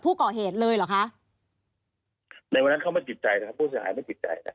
ผู้เสียหายไม่ติดใจนะครับ